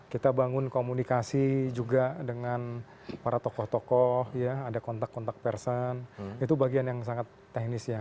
kita bangun komunikasi juga dengan para tokoh tokoh ya ada kontak kontak person itu bagian yang sangat teknis ya